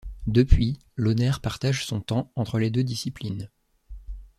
Depuis, Lohner partage son temps entre les deux disciplines.